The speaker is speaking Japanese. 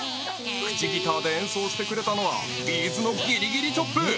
口ギターで演奏してくれたのはＢ’ｚの「ギリギリｃｈｏｐ」。